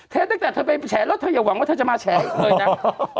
ตั้งแต่เธอไปแฉแล้วเธออย่าหวังว่าเธอจะมาแฉอีกเลยนะ